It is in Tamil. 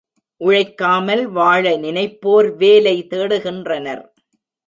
உழைக்காமல் வாழ நினைப்போர் வேலை தேடுகின்றனர்.